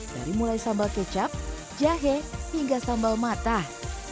dari mulai sambal kecap jahe hingga sambal matah